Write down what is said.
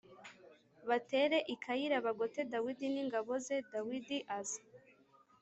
batere i Keyila bagote Dawidi n ingabo ze Dawidi aza